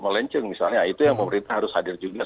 melenceng misalnya itu yang pemerintah harus hadir juga